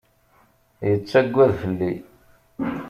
Yettagad fell-i.